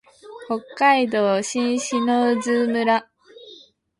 北海道新篠津村